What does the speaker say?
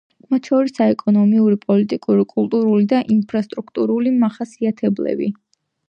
მათ შორისაა ეკონომიკური, პოლიტიკური, კულტურული და ინფრასტრუქტურული მახასიათებლები.